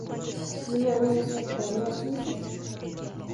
Nima, meni sotib olmoqchimisiz